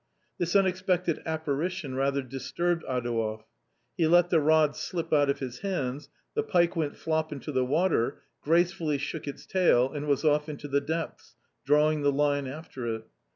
This unexpected apparition rather disturbed Adouev. He let the rod slip out of his hands, the pike went flop into the water, gracefully shook its tail, and was off into the depths, drawing the line after it.